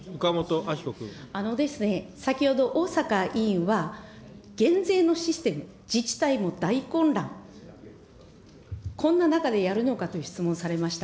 あのですね、先ほど、逢坂委員は、減税のシステム、自治体も大混乱、こんな中でやるのかという質問されました。